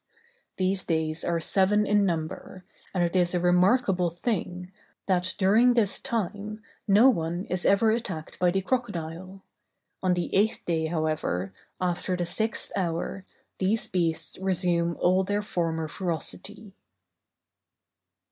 These days are seven in number, and it is a remarkable thing, that during this time, no one is ever attacked by the crocodile; on the eighth day, however, after the sixth hour, these beasts resume all their former ferocity.